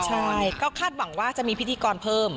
ใช่ก็คาดหวังว่าจะมีพิธีกรเพิ่ม